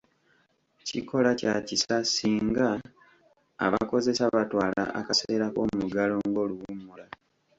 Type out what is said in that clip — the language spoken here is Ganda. Kikola kya kisa singa abakozesa batwala akaseera k'omuggalo ng'oluwummula.